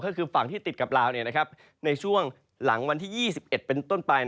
ก็คือฝั่งที่ติดกับลาวในช่วงหลังวันที่๒๑เป็นต้นไป